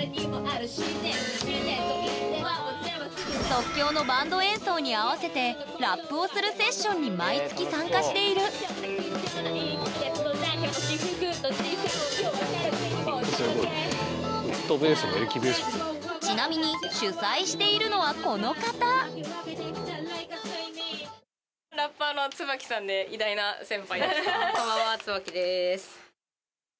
即興のバンド演奏に合わせてラップをするセッションに毎月参加しているちなみに主催しているのはこの方先攻椿！